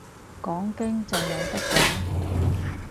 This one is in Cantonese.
講經就有得講